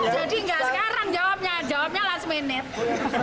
jadi nggak sekarang jawabnya jawabnya last minute